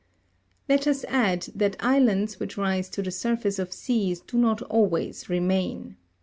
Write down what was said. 107 Let us add that islands which rise to the surface of seas do not always remain.